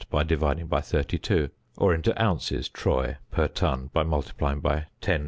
by dividing by 32, or into ounces (troy) per ton by multiplying by 10.208.